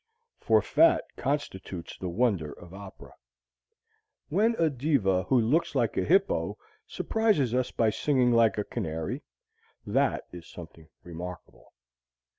For fat constitutes the wonder of opera. When a diva who looks like a hippo surprises us by singing like a canary that is something remarkable.